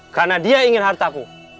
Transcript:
karena dia ingin hartaku